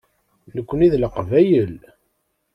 Nekkni d Leqbayel.